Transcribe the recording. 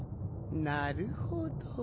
なるほど。